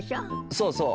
そうそう。